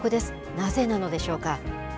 なぜなのでしょうか。